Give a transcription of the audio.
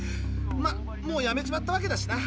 まもうやめちまったわけだしな。